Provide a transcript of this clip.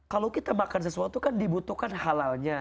kalau kita makan sesuatu kan dibutuhkan halalnya